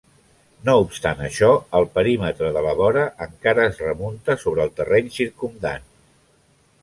No obstant això, el perímetre de la vora encara es remunta sobre el terreny circumdant.